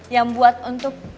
yang buat untuk